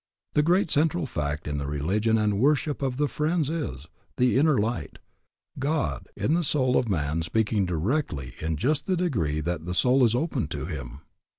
The great central fact in the religion and worship of the Friends is, the inner light, God in the soul of man speaking directly in just the degree that the soul is opened to Him.